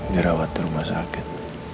dirawat di rumah sakit